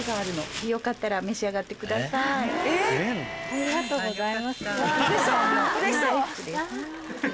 ありがとうございます。